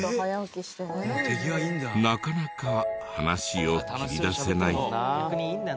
なかなか話を切り出せない。